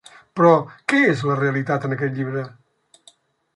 Però, què és la realitat en aquest llibre?